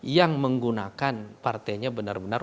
yang menggunakan partainya benar benar